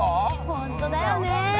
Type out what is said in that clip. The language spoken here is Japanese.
本当だよね。